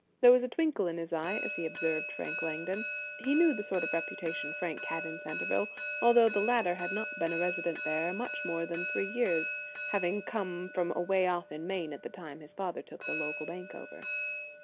There was a twinkle in his eye as he observed Frank Langdon. He knew the sort of reputation Frank had in Centerville, although the latter had not been a resident there much more than three years, having come from away off in Maine at the time his father took the local bank over.